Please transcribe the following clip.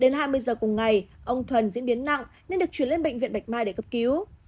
đến hai mươi giờ cùng ngày ông thuần diễn biến nặng nên được chuyển lên bệnh viện bạch mai để cấp cứu